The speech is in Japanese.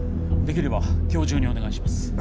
できれば今日中にお願いします。